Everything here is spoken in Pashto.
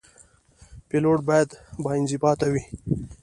پیلوټ باید باانضباط وي.